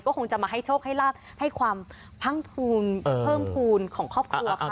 คงจะมาให้โชคให้ลาบให้ความพังภูมิเพิ่มภูมิของครอบครัวค่ะ